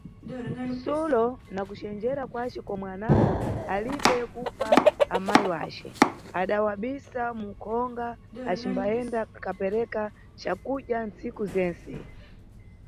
Sulo nakucenjera kwace komwe anako ali be kupha amayi yace, adawabisa mukhonga acimbayenda kapereka cakudya tsiku zense.